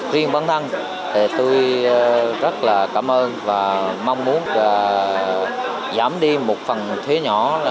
riêng bản thân tôi rất cảm ơn và mong muốn giảm đi một phần thuế nhỏ